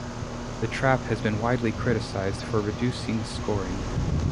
The trap has been widely criticized for reducing scoring.